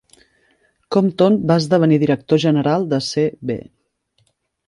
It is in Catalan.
Compton va esdevenir director general de C. B.